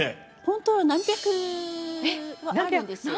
本当は何百もあるんです。